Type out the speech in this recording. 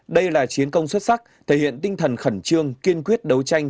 đây là chiến công xuất sắc thể hiện tinh thần khẩn trương kiên quyết đấu tranh